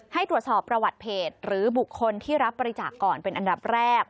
ให้ตรวจสอบประวัติเพจหรือบุคคลที่รับบริจาคก่อนเป็นอันดับแรก